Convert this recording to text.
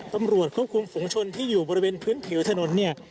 ตำรวจควบคุมฝุงชนที่อยู่บริเวณพื้นผิวถนนเนี่ย